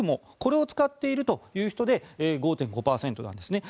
これを使っているという人で５．５％なんです。